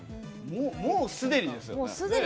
もうすでにですよね。